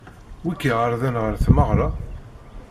Wi k-iɛeṛḍen ɣer tmeɣṛa?